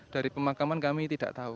dari pemakaman kami tidak tahu